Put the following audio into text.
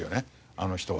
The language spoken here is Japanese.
あの人は。